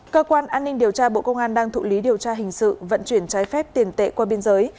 cơ quan an ninh điều tra bộ công an đang thụ lý điều tra hình sự vận chuyển trái phép tiền tệ qua biên giới